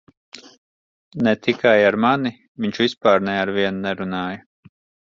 Ne tikai ar mani - viņš vispār ne ar vienu nerunāja.